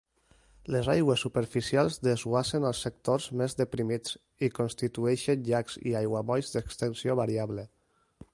Les aigües superficials desguassen als sectors més deprimits i constitueixen llacs i aiguamolls d'extensió variable.